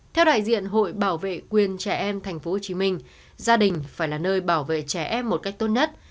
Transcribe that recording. theo đại diện hội bảo vệ quyền trẻ em tp hcm gia đình phải là nơi bảo vệ trẻ em một cách tốt nhất